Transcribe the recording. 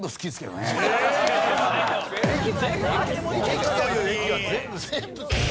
駅という駅は全部好き。